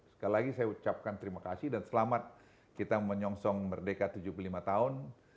sekali lagi saya ucapkan terima kasih dan selamat kita menyongsong merdeka tujuh puluh lima tahun